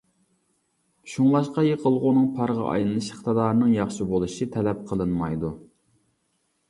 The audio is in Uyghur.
شۇڭلاشقا، يېقىلغۇنىڭ پارغا ئايلىنىش ئىقتىدارىنىڭ ياخشى بولۇشى تەلەپ قىلىنمايدۇ.